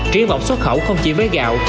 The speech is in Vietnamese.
trí vọng xuất khẩu không chỉ với gạo